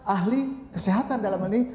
ahli kesehatan dalam hal ini